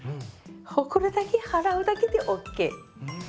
ほこりだけ払うだけでＯＫ。